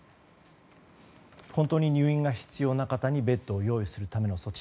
本当に入院が必要な方にベッドを用意するための措置。